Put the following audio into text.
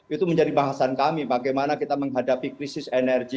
itu menjadi bahasan kami bagaimana kita menghadapi krisis energi